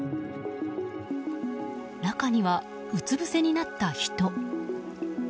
中には、うつぶせになった人。